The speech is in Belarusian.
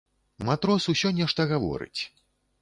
Матрос усё нешта гаворыць.